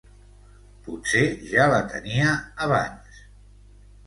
Potser ja la tenia, abans.